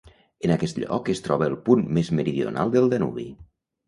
En aquest lloc es troba el punt més meridional del Danubi.